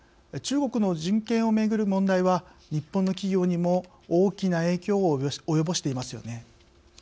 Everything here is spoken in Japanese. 中国の人権をめぐる問題は日本の企業にも大きな影響を及ぼしていますよね。